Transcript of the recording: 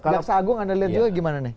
jaksa agung anda lihat juga gimana nih